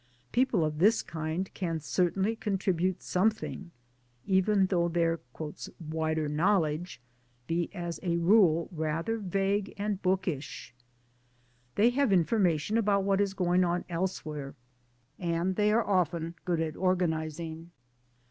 People of this kind can certainly contribute some thing even though 1 their ' wider knowledge ' be as RURAL CONDITIONS gr a rule rather vague and bookish. They have infor mation about what is going on elsewhere, and they often are good at organizing.